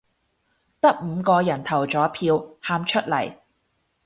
得五個人投咗票，喊出嚟